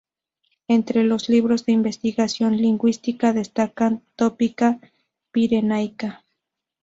Entre los libros de investigación lingüística destacan "Tópica Pyrenaica.